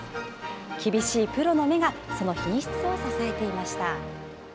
厳しいプロの目がその品質を支えていました。